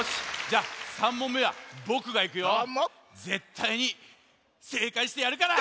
ぜったいにせいかいしてやるから！